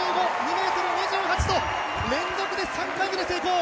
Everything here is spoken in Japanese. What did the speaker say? ２ｍ２５、２ｍ２８と、連続で３回目成功！